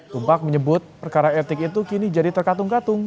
tumpak menyebut perkara etik itu kini jadi terkatung katung